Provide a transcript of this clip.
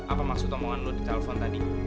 apa maksud omongan nu di telepon tadi